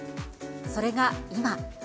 それが今。